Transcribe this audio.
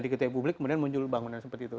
diketahui publik kemudian muncul bangunan seperti itu